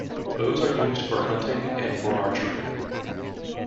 Bows are used for hunting and for archery.